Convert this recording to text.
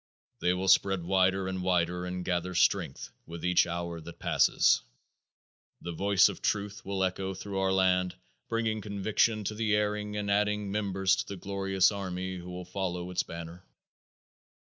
They will spread wider and wider and gather strength with each hour that passes. The voice of truth will echo through our land, bringing conviction to the erring and adding members to the glorious army who will follow its banner.